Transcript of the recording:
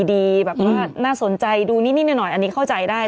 แบบว่าน่าสนใจดูนิดหน่อยอันนี้เข้าใจได้